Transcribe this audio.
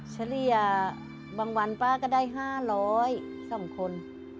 เฉลี่ยบางวันป่าก็ได้๕๐๐ส่วนคน